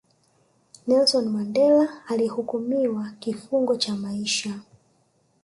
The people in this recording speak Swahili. nelson mandela alihukumia kifungo cha maisha